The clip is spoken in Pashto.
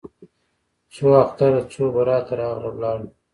څو اختره څو براته راغله ولاړه